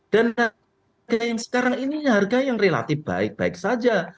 dan harga yang sekarang ini harga yang relatif baik baik saja